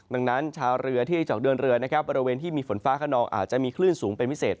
ดังนั้นชาวเรือที่จะออกเดินเรือนะครับบริเวณที่มีฝนฟ้าขนองอาจจะมีคลื่นสูงเป็นพิเศษ